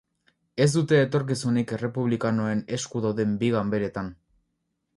Ez dute etorkizunik errepublikanoen esku dauden bi ganberetan.